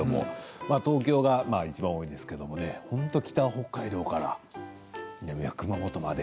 東京がいちばん多いですけれど北は北海道から南は熊本まで。